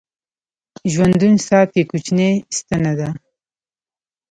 ژوندون ساعت کې کوچنۍ ستن ده